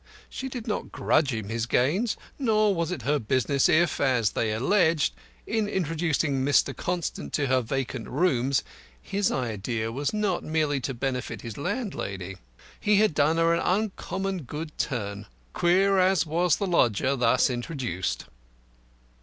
She did not grudge him his gains, nor was it her business if, as they alleged, in introducing Mr. Constant to her vacant rooms, his idea was not merely to benefit his landlady. He had done her an uncommon good turn, queer as was the lodger thus introduced.